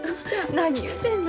何言うてんの。